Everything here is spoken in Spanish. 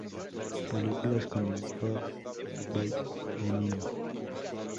Películas como "Good Bye, Lenin!